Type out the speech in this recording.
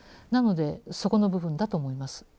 なのでそこの部分だと思います。